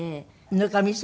ぬかみそ？